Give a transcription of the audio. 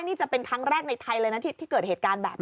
นี่จะเป็นครั้งแรกในไทยเลยนะที่เกิดเหตุการณ์แบบนี้